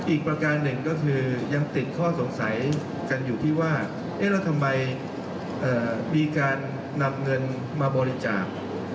อีกประการหนึ่งก็คือยังติดข้อสงสัยกันอยู่ที่ว่าเอ๊ะแล้วทำไมมีการนำเงินมาบริจาค